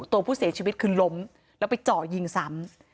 ตัวผู้เศรษฐ์ชีวิตคือล้มแล้วไปจ่อยหยิงซ้ำ